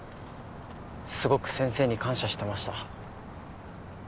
すごく先生に感謝してました。